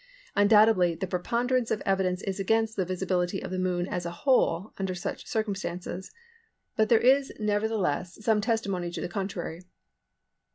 Undoubtedly the preponderance of evidence is against the visibility of the Moon as a whole, under such circumstances; but there is nevertheless some testimony to the contrary.